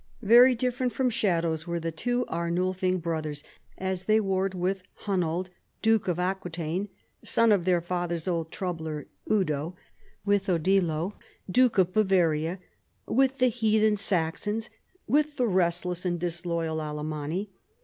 V^ery different from shadows Avere the two Arnul fing brothers, as they warred with Ilunald, Duke of Aquitaine (son of their father's old troubler Eudo), with Odilo, Duke of Bavaria, with the heathen Saxons, with the restless and disloyal Alamanni.